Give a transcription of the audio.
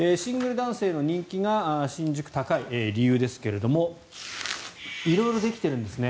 シングル男性の人気が新宿、高い理由ですが色々できているんですね。